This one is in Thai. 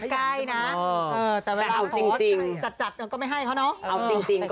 เดี๋ยวก่อนนะภรรยาเขาสวยขนาดนี้